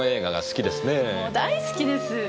もう大好きです。